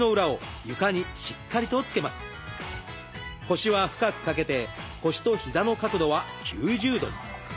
腰は深く掛けて腰と膝の角度は９０度。